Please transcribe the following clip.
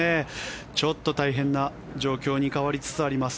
ちょっと大変な状況に変わりつつあります。